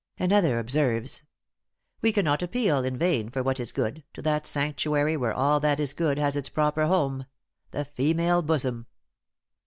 Another observes: "We cannot appeal in vain for what is good, to that sanctuary where all that is good has its proper home the female bosom."